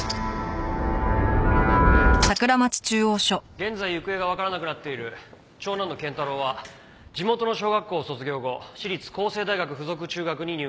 現在行方がわからなくなっている長男の賢太郎は地元の小学校を卒業後私立光世大学附属中学に入学。